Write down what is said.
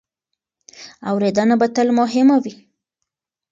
اورېدنه به تل مهمه وي.